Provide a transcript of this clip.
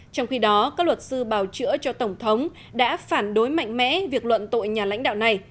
trong khi đó các luật sư bào chữa cho tổng thống đã phản đối mạnh mẽ việc luận tội nhà lãnh đạo này